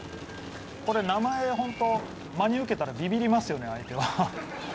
名前を真に受けたらビビりますよね、相手。